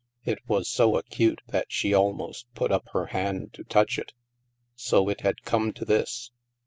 It was so acute that she almost put up her hand to touch it. So it had come to this